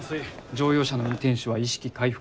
乗用車の運転手は意識回復。